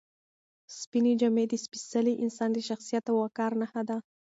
سپینې جامې د سپېڅلي انسان د شخصیت او وقار نښه ده.